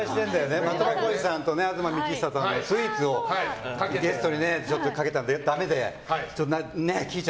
的場浩司さんと東幹久さんにスイーツをゲストにかけたのがダメで。